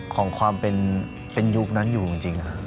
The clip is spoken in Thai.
ของความเป็นยุคนั้นอยู่จริง